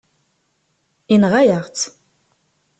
Yenɣa-yaɣ-tt.